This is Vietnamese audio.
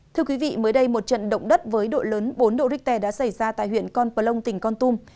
thưa quý vị mới đây một trận động đất với độ lớn bốn độ richter đã xảy ra tại huyện con plông tỉnh con tum